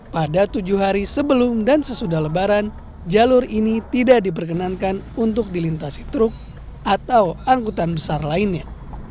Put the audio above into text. pada tujuh hari sebelum dan sesudah lebaran jalur ini tidak diperkenankan untuk dilintasi truk atau angkutan besar lainnya